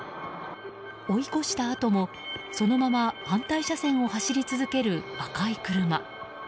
追い越したあともそのまま反対車線を走り続ける赤い車。